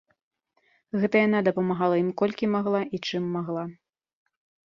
Гэта яна дапамагала ім колькі магла і чым магла.